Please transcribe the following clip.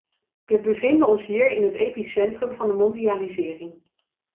We bevinden ons hier in het epicentrum van de mondialisering.